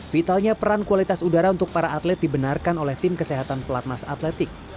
vitalnya peran kualitas udara untuk para atlet dibenarkan oleh tim kesehatan pelatnas atletik